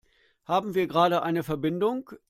Haben wir gerade eine Verbindung?